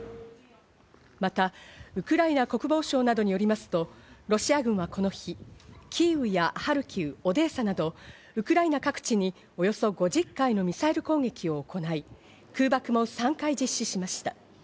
また、ウクライナ国防省などによりますとロシア軍はこの日、キーウやハルキウ、オデーサなどウクライナ各地におよそ５０回のミサイル攻撃を行い、空爆も３回実施しました。